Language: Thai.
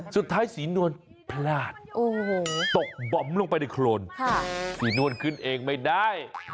สุดท้ายศรีนวลพลาดตกบ่อมลงไปในโครนศรีนวลขึ้นเองไม่ได้